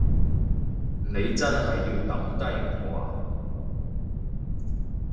你真係要抌低我呀？